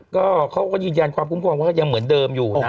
ก็เขาก็ยืนยันความคุ้มครองว่ายังเหมือนเดิมอยู่นะ